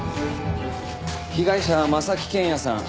被害者は征木健也さん。